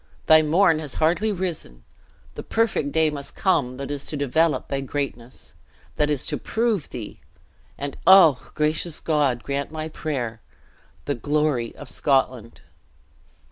Thy morn has hardly risen, the perfect day must come that is to develop thy greatness that is to prove thee (and oh! gracious God, grant my prayer!) the glory of Scotland!"